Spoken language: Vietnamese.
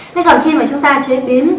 thế còn khi mà chúng ta chế biến